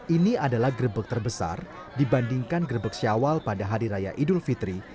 ini adalah grebek terbesar dibandingkan grebek syawal pada hari raya idul fitri